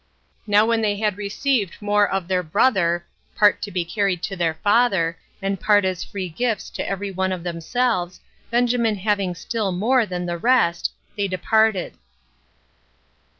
Now when they had received more of their brother part to be carried to their father, and part as free gifts to every one of themselves, Benjamin having still more than the rest, they departed.